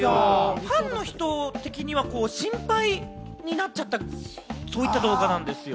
ファンの人的にはこう、心配になっちゃった、そういった動画なんですよ。